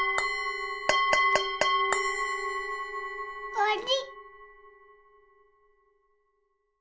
おわり！